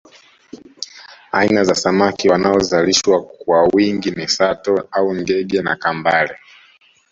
Aina za samaki wanaozalishwa kwa wingi ni sato au ngege na kambale